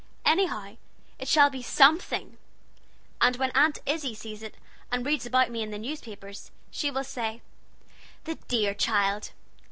Anyhow it shall be something. And when Aunt Izzie sees it, and reads about me in the newspapers she will say, 'The dear child!